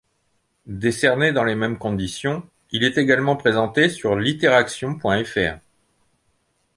Décerné dans les mêmes conditions, il est également présenté sur litteraction.fr.